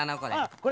これ。